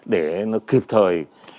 để nó kịp thời